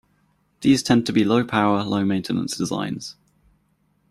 These tend to be low power, low maintenance designs.